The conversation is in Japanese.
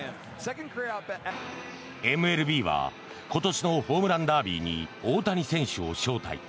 ＭＬＢは今年のホームランダービーに大谷選手を招待。